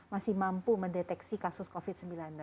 masih mampu mendeteksi kasus covid sembilan belas